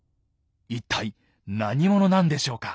一体何者なんでしょうか？